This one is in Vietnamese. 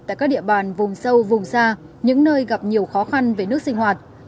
tại các địa bàn vùng sâu vùng xa những nơi gặp nhiều khó khăn về nước sinh hoạt